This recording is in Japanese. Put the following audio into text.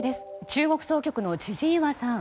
中国総局の千々岩さん。